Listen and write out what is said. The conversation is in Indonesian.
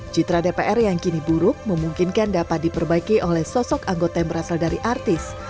citra dpr yang kini buruk memungkinkan dapat diperbaiki oleh sosok anggota yang berasal dari artis